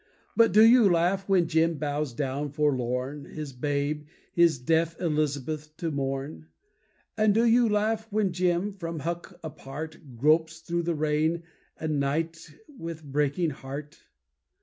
But do you laugh when Jim bows down forlorn His babe, his deaf Elizabeth to mourn? And do you laugh, when Jim, from Huck apart Gropes through the rain and night with breaking heart?